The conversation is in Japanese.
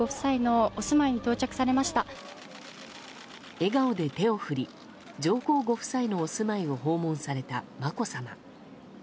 笑顔で手を振り上皇ご夫妻のお住まいを訪問された、まこさま。